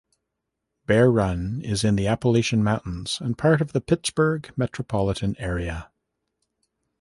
Bear Run is in the Appalachian Mountains and part of the Pittsburgh metropolitan area.